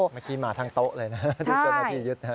เมื่อกี้มาทั้งโต๊ะเลยนะจนกว่าพี่ยึด